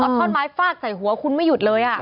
ท่อนไม้ฟาดใส่หัวคุณไม่หยุดเลย